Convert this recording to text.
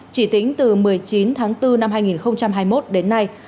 chỉ tính từ một mươi chín tháng bốn năm hai nghìn hai mươi một đến nay